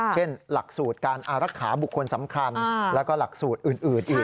เช่นหลักสูตรการอารักษาบุคคลสำคัญแล้วก็หลักสูตรอื่นอีก